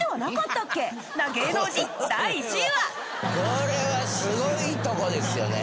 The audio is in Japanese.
これはすごいとこですよね。